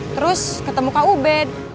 terus ketemu kak ubed